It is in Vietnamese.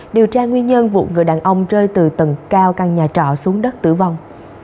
điều tra nguyên nhân vụ người đàn ông rơi từ tầng cao căn nhà trọ xuống đất tử vong